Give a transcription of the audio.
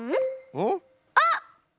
あっ！